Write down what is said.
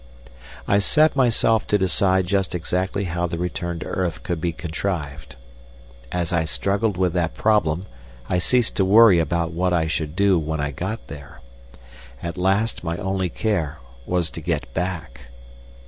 I set myself to decide just exactly how the return to earth could be contrived. As I struggled with that problem I ceased to worry about what I should do when I got there. At last my only care was to get back.